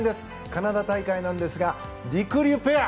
カナダ大会なんですがりくりゅうペア。